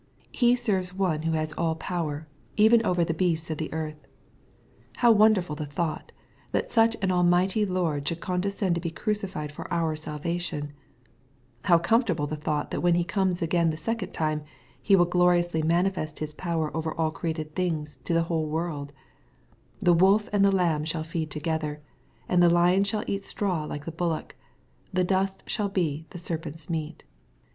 He serves one who has all power, even over the beasts of the earth. How wonderful the thought, that such an Almighty Lord should condescend to be crucified for our salvation 1 How comfortable the thought that when He comes again the second time, He will gloriously manifest His power Dver all created things to the whole world :" The wolf and the lamb shall feed together, and the lion shall eat straw like the bullock : and dust shall be the serpent's meat."